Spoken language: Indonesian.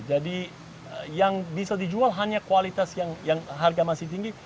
jadi yang bisa dijual hanya kualitas yang harga masih tinggi